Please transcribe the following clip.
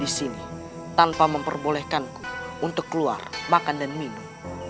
di sini tanpa memperbolehkanku untuk keluar makan dan minum